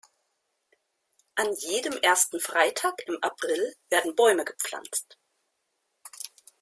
An jedem ersten Freitag im April werden Bäume gepflanzt.